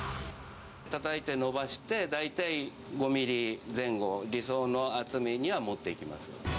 たたいて、伸ばして、大体５ミリ前後、理想の厚みにはもっていきます。